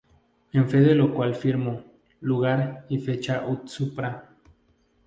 En fe de lo cual firmo, lugar y fecha ut supra.